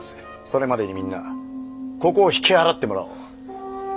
それまでにみんなここを引き払ってもらおう。